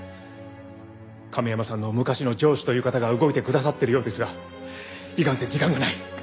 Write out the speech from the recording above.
亀山さんの昔の上司という方が動いてくださってるようですがいかんせん時間がない。